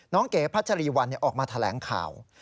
น้องเก๋พระจริวัลออกมาแถลงข่าว